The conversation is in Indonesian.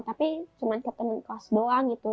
tapi cuma ke temen kelas doang gitu